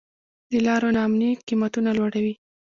د لارو نا امني قیمتونه لوړوي.